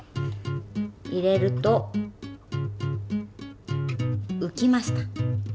入れるとうきました。